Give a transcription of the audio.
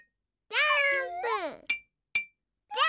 ジャーンプ！